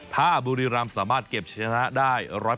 ถ้าบุรีรำสามารถเก็บชนะได้๑๐